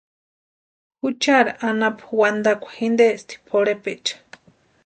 Juchari anapu wantakwa jintesti pʼorhepecha.